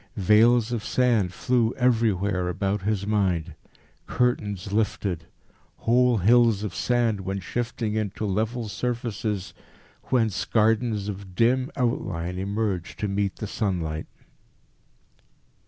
Veils of sand flew everywhere about his mind. Curtains lifted. Whole hills of sand went shifting into level surfaces whence gardens of dim outline emerged to meet the sunlight.